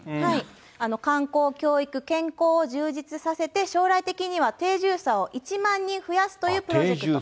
観光、教育、健康を充実させて、将来的には定住者を１万人増やすというプロジェクト。